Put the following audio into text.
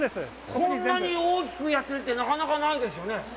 こんなに大きいって、なかなかないですよね？